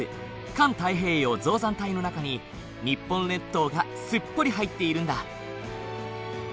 環太平洋造山帯の中に日本列島がすっぽり入っているんだ。